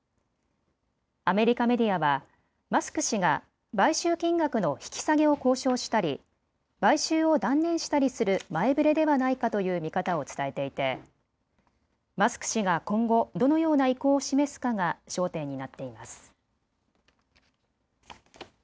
アメリカメディアはマスク氏が買収金額の引き下げを交渉したり買収を断念したりする前触れではないかという見方を伝えていてマスク氏が今後、どのような意向を示すかが焦点になっています。